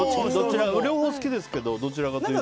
両方好きですけどどちらかというと。